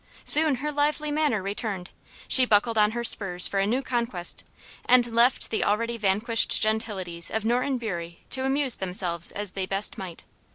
Soon her lively manner returned. She buckled on her spurs for a new conquest, and left the already vanquished gentilities of Norton Bury to amuse themselves as they best might.